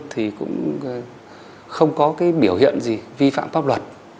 thì cũng không có cái biểu hiện gì vi phạm pháp luật